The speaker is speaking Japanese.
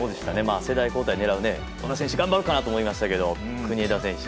世代交代を狙う小田選手頑張るかなと思いましたけど国枝選手